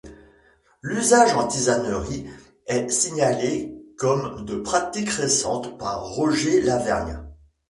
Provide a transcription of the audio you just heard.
L'usage en tisanerie est signalé comme de pratique récente par Roger Lavergne.